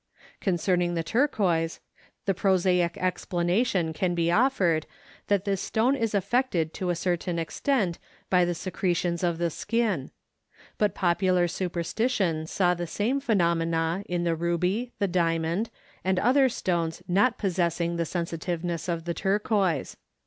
Concerning the turquoise, the prosaic explanation can be offered that this stone is affected to a certain extent by the secretions of the skin; but popular superstition saw the same phenomena in the ruby, the diamond, and other stones not possessing the sensitiveness of the turquoise.